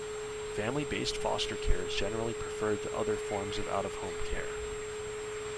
Family-based foster care is generally preferred to other forms of out of home care.